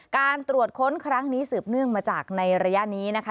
การตรวจค้นครั้งนี้สืบเนื่องมาจากในระยะนี้นะคะ